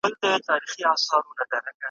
خزانونه رخصتیږي نوبهار په سترګو وینم `